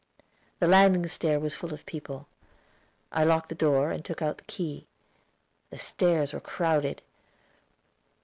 The landing stair was full of people. I locked the door, and took out the key; the stairs were crowded.